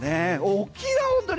大きいなあ、本当に。